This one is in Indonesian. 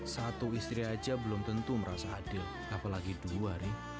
satu istri aja belum tentu merasa adil apalagi dua hari